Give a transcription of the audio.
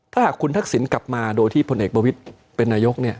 ถ้าหากคุณทักษิณกลับมาโดยที่พลเอกประวิทย์เป็นนายก